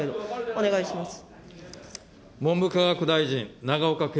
お願いします。